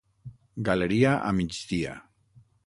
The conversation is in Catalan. Galeria a migdia.